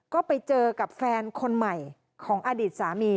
ก็ไปเจอกับแฟนคนใหม่ของอดีตสามี